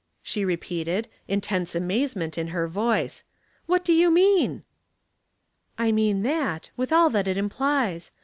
she repeated, intense amazemen'o in her voice. " What do you mean ?"" I moan that, with all that it implies.